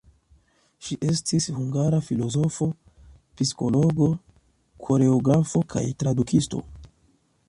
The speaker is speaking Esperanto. Ŝi estis hungara filozofo, psikologo, koreografo kaj tradukisto.